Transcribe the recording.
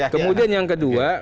kemudian yang kedua